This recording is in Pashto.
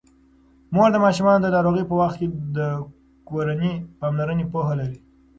مور د ماشومانو د ناروغۍ په وخت د کورني پاملرنې پوهه لري.